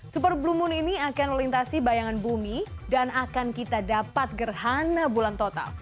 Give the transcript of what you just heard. super blue moon ini akan melintasi bayangan bumi dan akan kita dapat gerhana bulan total